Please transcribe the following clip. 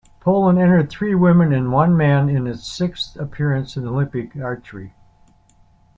Poland entered three women and one man in its sixth appearance in Olympic archery.